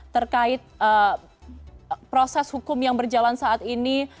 terkait proses hukum yang berjalan saat ini